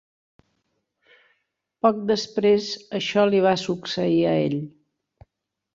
Poc després això li va succeir a ell.